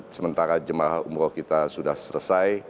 sementara jemaah umroh kita sudah selesai